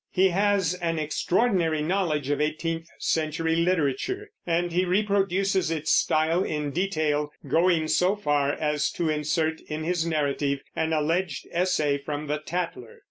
He has an extraordinary knowledge of eighteenth century literature, and he reproduces its style in detail, going so far as to insert in his narrative an alleged essay from the Tatler.